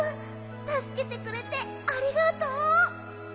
たすけてくれてありがとう！